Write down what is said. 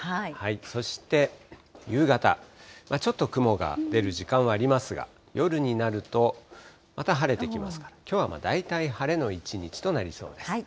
そして夕方、ちょっと雲が出る時間はありますが、夜になると、また晴れてきますから、きょうは大体晴れの一日となりそうです。